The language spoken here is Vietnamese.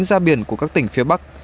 tính ra biển của các tỉnh phía bắc